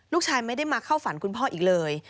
ลูกชายไม่ได้มาเข้าฝันคุณพ่ออีกเลย